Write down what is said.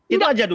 itu saja duk